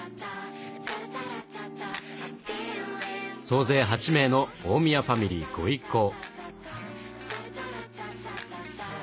総勢８名の大宮ファミリー御一行。